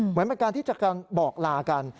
เหมือนเป็นการที่จะบอกลากัน